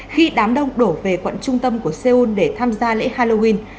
khi đám đông đổ về quận trung tâm của seoul để tham gia lễ halloween